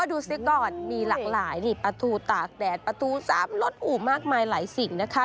ดูซิก่อนมีหลากหลายปลาทูตากแดดปลาทูซ้ำรสอุมากมายหลายสิ่งนะคะ